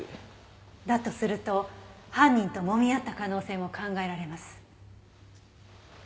だとすると犯人ともみ合った可能性も考えられます。